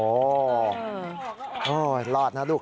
โอ้โหรอดนะลูก